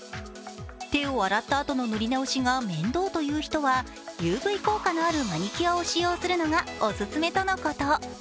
手を洗ったあとの塗り直しが面倒という人はＵＶ効果のあるマニキュアを使用するのがおすすめとのこと。